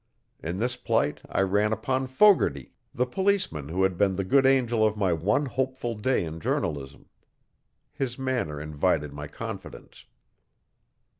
In this plight I ran upon Fogarty, the policeman who had been the good angel of my one hopeful day in journalism. His manner invited my confidence.